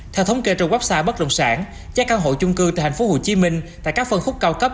theo thống kê trong website bất động sản giá căn hộ chung cư tại tp hcm tại các phân khúc cao cấp